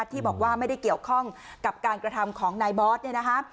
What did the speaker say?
ที่บอกว่าไม่ได้เกี่ยวข้องกับการกระทำของนายบอสเนี่ยนะคะ